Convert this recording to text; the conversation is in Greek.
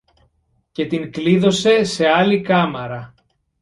και την κλείδωσε σε άλλη κάμαρα.